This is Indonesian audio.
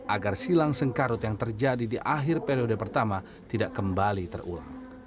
agar silang sengkarut yang terjadi di akhir periode pertama tidak kembali terulang